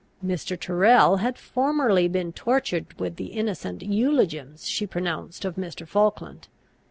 Mr. Tyrrel had formerly been tortured with the innocent eulogiums she pronounced of Mr. Falkland.